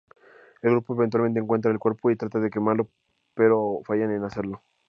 El grupo eventualmente encuentra el cuerpo y trata de quemarlo, pero fallan en hacerlo.